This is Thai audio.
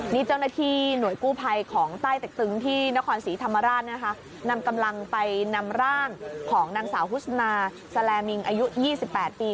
นี่เจ้าหน้าที่หน่วยกู้ภัยของใต้เต็กตึงที่นครศรีธรรมราชนะคะนำกำลังไปนำร่างของนางสาวฮุสนาแสลมิงอายุ๒๘ปี